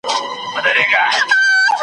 وايی په ښار کي محتسب ګرځي .